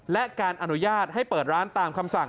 และการอนุญาตให้เปิดร้านตามคำสั่ง